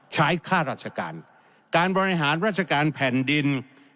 ค่าราชการการบริหารราชการแผ่นดิน